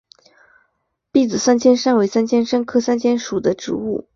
篦子三尖杉为三尖杉科三尖杉属的植物。